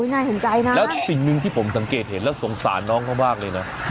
น่าเห็นใจนะแล้วสิ่งหนึ่งที่ผมสังเกตเห็นแล้วสงสารน้องเขามากเลยนะ